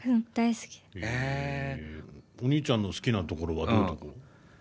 お兄ちゃんの好きなところはどういうとこ？